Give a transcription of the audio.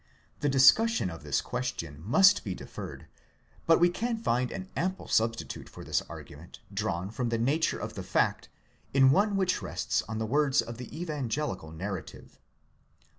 'The discussion of this question must be deferred, but we can find an ample substitute for this argument, drawn from the nature of the fact, in one which rests on the words of the evangelical narrative.